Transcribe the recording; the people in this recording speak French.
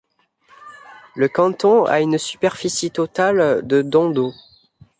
Le canton a une superficie totale de dont d'eau.